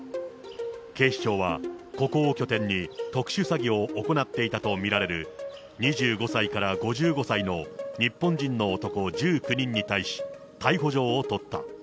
警視庁はここを拠点に、特殊詐欺を行っていたと見られる、２５歳から５５歳の日本人の男１９人に対し、逮捕状を取った。